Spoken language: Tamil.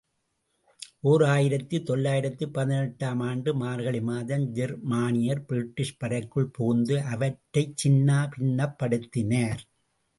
ஓர் ஆயிரத்து தொள்ளாயிரத்து பதினெட்டு ஆம் ஆண்டு மார்கழி மாதம் ஜெர்மானியர் பிரிட்டிஷ் படைக்குள் புகுந்து அவற்றைச்சின்னா பின்னப்படுத்தினார்.